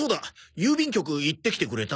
郵便局行ってきてくれた？